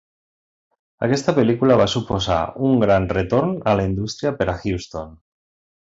Aquesta pel·lícula va suposar un gran retorn a la indústria per a Houston.